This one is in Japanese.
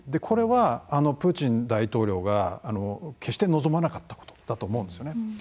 これはプーチン大統領が決して望まなかったことだと思うんですね。